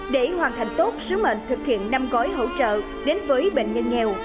để hoàn thành tốt sứ mệnh thực hiện năm gói hỗ trợ đến với bệnh nhân nghèo